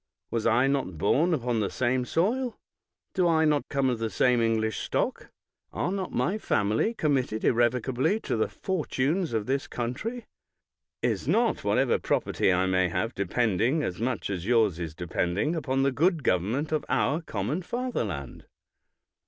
Was I not bom upon the same soil? Do I not come of the same English stock? Are not my family committed irrevocably to the fortunes of this country'? Is not whatever property I may have depending, as much as yours is depending, upon the good government of our common fatherland?